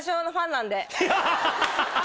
ハハハハ！